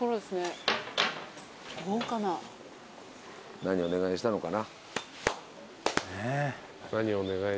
何をお願いしたのかな？